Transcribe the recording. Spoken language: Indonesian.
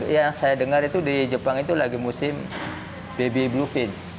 yang saya dengar itu di jepang itu lagi musim baby bluepin